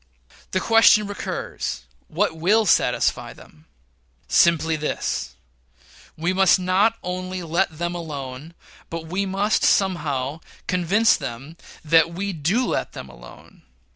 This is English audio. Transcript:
The question recurs, what will satisfy them? Simply this: We must not only let them alone, but we must, somehow, convince them that we do let them alone.